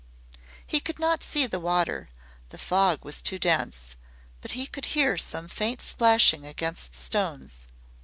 He could not see the water, the fog was too dense, but he could hear some faint splashing against stones.